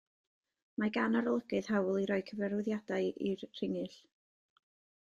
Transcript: Mae gan arolygydd hawl i roi cyfarwyddiadau i'r rhingyll.